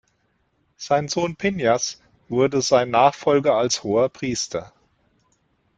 Sein Sohn Pinhas wurde sein Nachfolger als Hoherpriester.